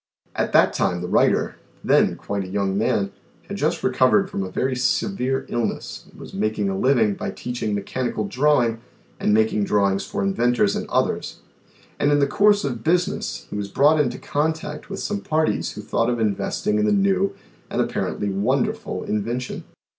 At that time the writer, then quite a young man, had just recovered from a very severe illness and was making a living by teaching mechanical drawing and making drawings for in ventors and others, and in the course of business he was brought into contact with some parties who thought of in vesting in the new and apparently wonderful invention.